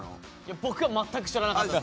僕は全く知らなかったです。